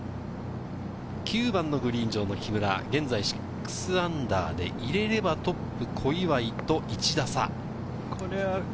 ９番のグリーン上の木村、現在−６で入れればトップ小祝と１打差。